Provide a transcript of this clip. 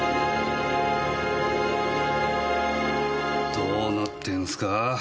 どうなってんすか！